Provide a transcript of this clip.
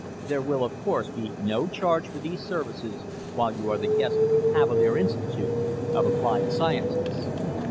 There will, of course, be no charge for these services while you are the guests of the Cavalier Institute of Applied Sciences.